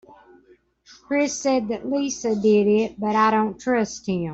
Chris said that Lisa did it but I dont trust him.